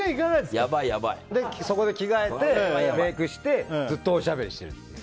そこで着替えてメイクしてずっとおしゃべりしている。